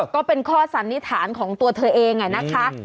ก็เป็นข้อสันนิษฐานของตัวเธอเองนะคะ